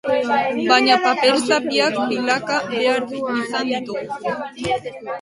Baina paper-zapiak pilaka behar izan ditugu.